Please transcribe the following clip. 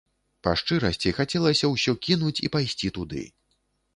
Па шчырасці, хацелася ўсё кінуць і пайсці туды.